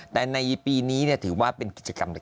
แต่ในปีนี้เนี่ยถือว่าเป็นกิจกรรม